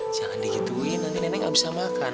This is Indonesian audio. jangan dihituin nanti nenek gak bisa makan